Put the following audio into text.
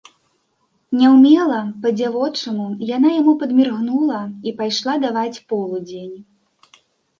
Няўмела, па-дзявочаму, яна яму падміргнула і пайшла даваць полудзень.